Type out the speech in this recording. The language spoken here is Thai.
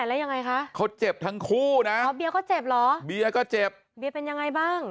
แล้วยังไงคะเขาเจ็บทั้งคู่นะอ๋อเบียก็เจ็บเหรอเบียร์ก็เจ็บเบียร์เป็นยังไงบ้าง